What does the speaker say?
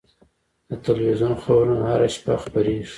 د تلویزیون خبرونه هره شپه خپرېږي.